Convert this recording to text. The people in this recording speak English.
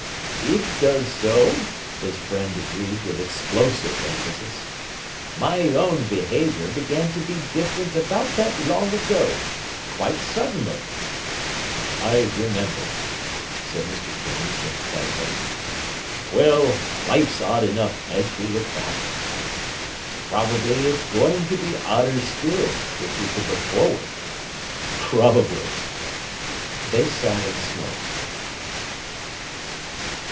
"It does so!" his friend agreed with explosive emphasis. "My own behaviour began to be different about that long ago—quite suddenly." "I remember," said Mr. Kinney sympathetically. "Well, life's odd enough as we look back." "Probably it's going to be odder still—if we could look forward." "Probably." They sat and smoked.